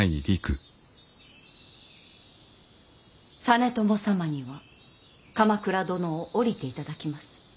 実朝様には鎌倉殿を降りていただきます。